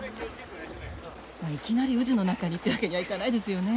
いきなり渦の中にというわけにはいかないですよね？